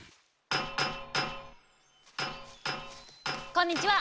こんにちは！